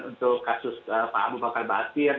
untuk kasus pak abu bakar basir